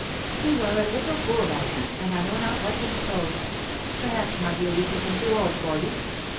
"" You are a HttLe foot, Agnes* and I. know not what to suppose. Perhaps, my dear, yom think him toe old for you